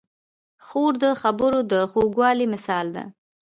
خور د خبرو د خوږوالي مثال ده.